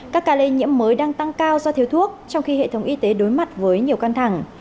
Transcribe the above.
các ca lây nhiễm mới đang tăng cao do thiếu thuốc trong khi hệ thống y tế đối mặt với nhiều căng thẳng